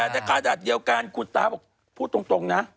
แต่ในขณะเดียวกันคุณตาบอกพูดตรงนะ